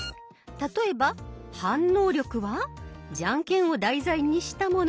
例えば「反応力」はじゃんけんを題材にしたもの。